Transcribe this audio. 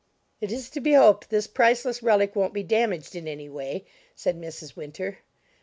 "It is to be hoped this priceless relic won't be damaged in any way," said Mrs. Winter.